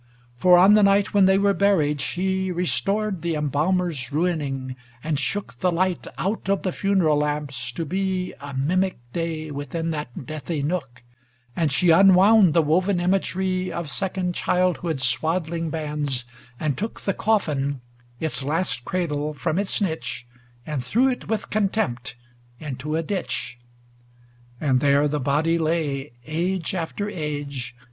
LXX For on the night when they were buried, she Restored the embalmers' ruining and shook The light out of the funeral lamps, to be A mimic day within that deathy nook; 282 THE WITCH OF ATLAS And she unwound the woven imagery Of second childhood's swaddling bands, and took The coffin, its last cradle, from its niche, And threw it with contempt into a ditch, LXXI And there the body lay, age after age.